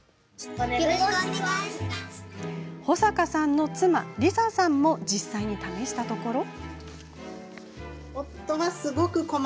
保坂さんの妻、里紗さんも実際に試してみたところ。